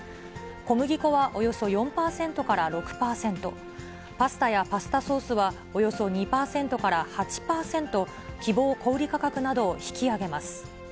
小麦粉はおよそ４％から６％、パスタやパスタソースはおよそ２％から８％、希望小売り価格などを引き上げます。